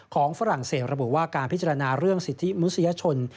ฝรั่งเศสระบุว่าการพิจารณาเรื่องสิทธิมนุษยชน